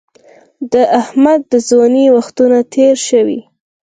د احمد د ځوانۍ وختونه تېر شوي